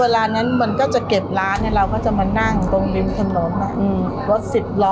ระเฯด